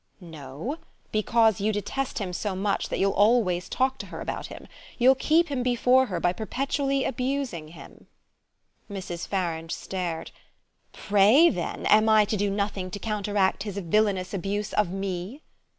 "No, because you detest him so much that you'll always talk to her about him. You'll keep him before her by perpetually abusing him." Mrs. Farange stared. "Pray, then, am I to do nothing to counteract his villainous abuse of ME?"